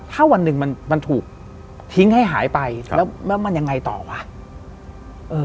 ถ้าวันหนึ่งมันมันถูกทิ้งให้หายไปแล้วแล้วมันยังไงต่อวะ